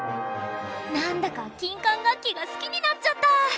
なんだか金管楽器が好きになっちゃった。